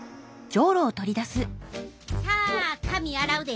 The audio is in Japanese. さあ髪洗うで。